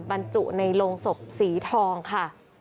บรรจุในโรงศพสีทองค่ะ